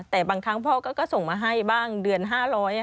แต่บางครั้งพ่อก็ส่งมาให้บ้างเดือน๕๐๐บาท